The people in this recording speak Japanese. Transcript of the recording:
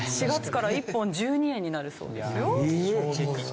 ４月から１本１２円になるそうですよ。